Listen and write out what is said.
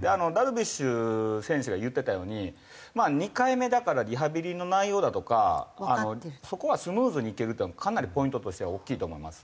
ダルビッシュ選手が言ってたように２回目だからリハビリの内容だとかそこはスムーズにいけるというのはかなりポイントとしては大きいと思いますね。